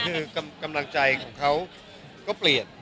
คือกำลังใจของเขาก็เปลี่ยน